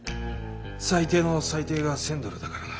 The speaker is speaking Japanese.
最低の最低が１，０００ドルだからな。